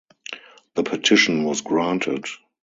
The petition was granted.